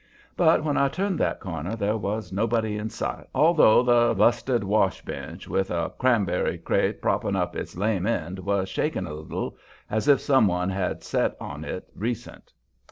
But when I turned that corner there was nobody in sight, although the bu'sted wash bench, with a cranberry crate propping up its lame end, was shaking a little, as if some one had set on it recent.